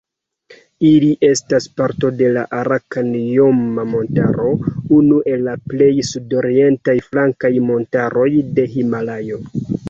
Ili estas parto de Arakan-Joma-Montaro, unu el la plej sudorientaj flankaj montaroj de Himalajo.